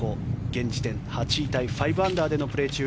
現時点、８位タイ５アンダーでのプレー中。